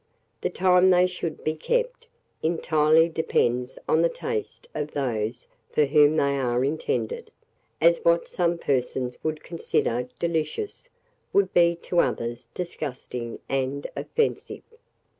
The time they should be kept, entirely depends on the taste of those for whom they are intended, as what some persons would consider delicious, would be to others disgusting and offensive.